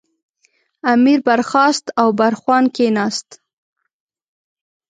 امیر برخاست او برخوان کېناست.